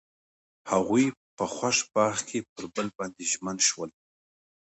هغوی په خوښ باغ کې پر بل باندې ژمن شول.